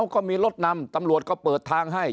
ก็มีรถนำตำรวจก็เปิดทางให้